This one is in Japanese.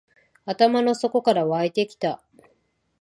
頭の底から湧いてきた